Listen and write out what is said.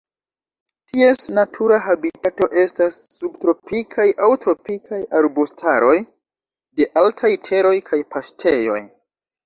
Ties natura habitato estas subtropikaj aŭ tropikaj arbustaroj de altaj teroj kaj paŝtejoj.